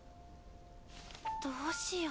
どうしよう。